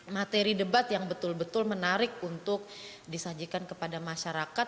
materi debat yang betul betul menarik untuk disajikan kepada masyarakat